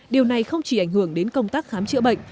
điều này không chỉ ảnh hưởng đến công tác khám chữa bệnh